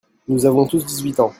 Nous avons tous dix-huit ans.